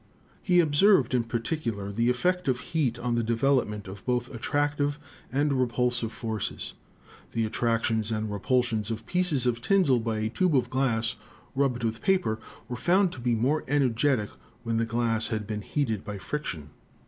"He observed in particular the effect of heat on the de velopment of both attractive and repulsive forces. The attractions and repulsions of pieces of tinsel by a tube of glass, rubbed with paper, were found to be more energetic ELECTROSTATICS 157 when the glass had been heated by friction.